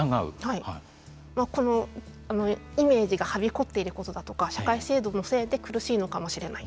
イメージがはびこっていることだとか社会制度のせいで苦しいのかもしれない。